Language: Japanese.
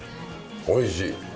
おいしい！